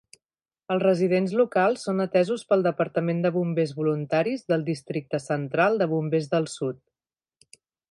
Els residents locals són atesos pel departament de bombers voluntaris del Districte Central de Bombers del Sud.